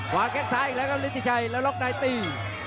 หวานแค่ซ้ายอีกแล้วก็ลิธิชัยแล้วล็อกน้อยตี